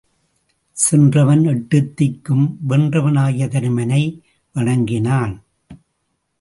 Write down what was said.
சென்றவன் எட்டுத்திக்கும் வென்றவனாகிய தருமனை வணங்கினான்.